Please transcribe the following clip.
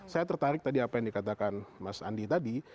saya tertarik tadi apa yang dikatakan mas andi tadi